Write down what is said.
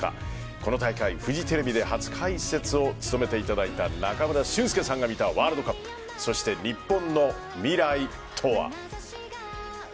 この大会、フジテレビで初解説を務めていただいた中村俊輔さんが見たワールドカップそして日本の未来とは。